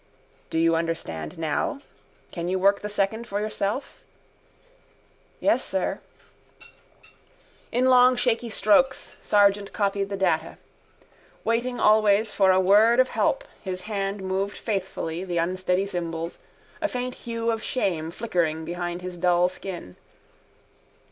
—Do you understand now? Can you work the second for yourself? —Yes, sir. In long shaky strokes Sargent copied the data. Waiting always for a word of help his hand moved faithfully the unsteady symbols, a faint hue of shame flickering behind his dull skin.